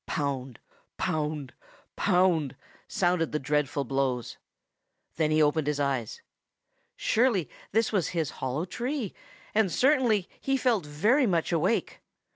Pound, pound, pound, sounded the dreadful blows. Then he opened his eyes. Surely this was his hollow tree, and certainly he felt very much awake.